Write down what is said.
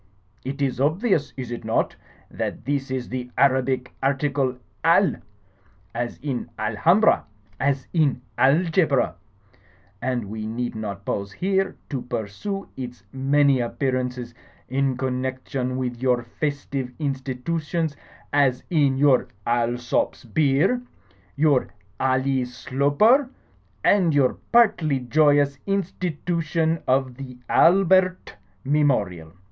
It is obvious, is it not, that this is the Arabic article 'Al,' as in Alhambra, as in Algebra ; and we need not pause here to pursue its many appearances in connection with your festive institutions, as in your Alsop's beer, your Ally Sloper, and your partly joyous institution of the Albert Mem orial.